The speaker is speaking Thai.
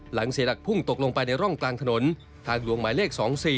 เสียหลักพุ่งตกลงไปในร่องกลางถนนทางหลวงหมายเลข๒๔